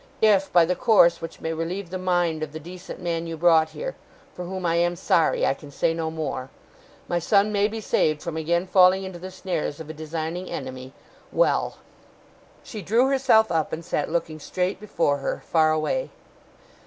If, by the course which may relieve the mind of the decent man you brought here (for whom I am sorry I can say no more), my son may be saved from again falling into the snares of a designing enemy, well!' She drew herself up, and sat looking straight before her, far away.